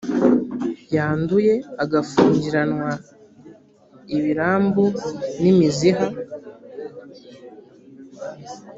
yanduye agafungiranwa ibirambu n imiziha